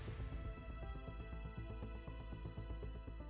bagaimana pengurusan bahan organik tersebut